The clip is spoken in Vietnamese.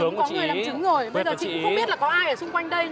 bây giờ chị cũng không biết là có ai ở xung quanh đây